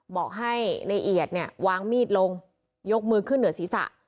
บอกให้นายเอียดเนี่ยวางมีดลงยกมือขึ้นเหนือศีรษะ